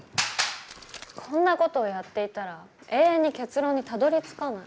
こんな事をやっていたら永遠に結論にたどりつかない。